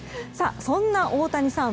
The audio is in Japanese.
そんな大谷さん